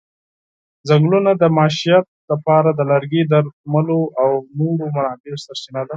ځنګلونه د معیشت لپاره د لرګي، درملو او نورو منابعو سرچینه ده.